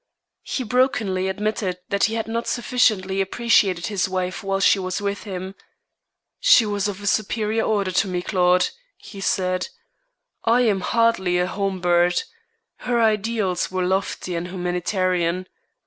He brokenly admitted that he had not sufficiently appreciated his wife while she was with him. "She was of a superior order to me, Claude," he said. "I am hardly a home bird. Her ideals were lofty and humanitarian.